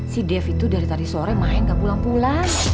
si dev itu dari tadi sore main gak pulang pulang